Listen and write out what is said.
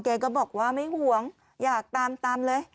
แกก็บอกว่าไม่ห่วงอยากตามตามเลย